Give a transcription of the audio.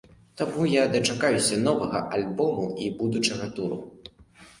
Таму я дачакаюся новага альбому і будучага туру.